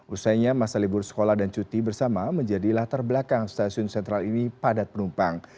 usainya masa libur sekolah dan cuti bersama menjadi latar belakang stasiun sentral ini padat penumpang